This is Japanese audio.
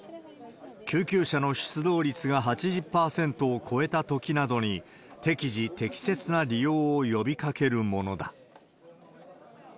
救急車の出動率が８０％を超えたときなどに、適時適切な利用を呼びかけるものだ。